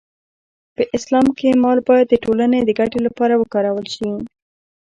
په اسلام کې مال باید د ټولنې د ګټې لپاره وکارول شي.